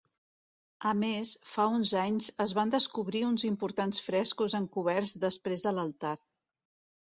A més, fa uns anys es van descobrir uns importants frescos encoberts després de l'altar.